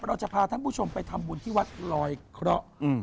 เราจะพาท่านผู้ชมไปทำบุญที่วัดลอยเคราะห์